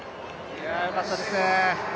いや、よかったですね。